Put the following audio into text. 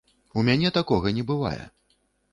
У мяне такога не бывае.